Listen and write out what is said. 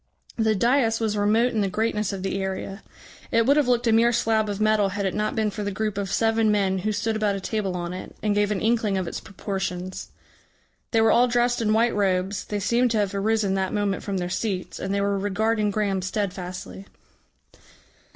The dais was remote in the greatness of the area; it would have looked a mere slab of metal had it not been for the group of seven men who stood about a table on it, and gave an inkling of its proportions. They were all dressed in white robes, they seemed to have arisen that moment from their seats, and they were regarding Graham steadfastly.